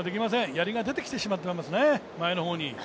やりが出てきてしまっていますね、前の方に。